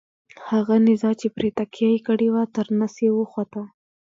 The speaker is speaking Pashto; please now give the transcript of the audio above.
هغه نیزه چې پرې تکیه یې کړې وه تر نس یې وخوته.